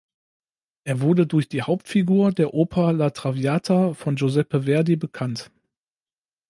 Er wurde durch die Hauptfigur der Oper La traviata von Giuseppe Verdi bekannt.